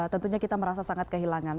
tentunya kita merasa sangat kehilangan